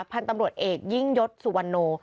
พันธุ์ตำรวจเอกยิ่งยศสุวรรณโน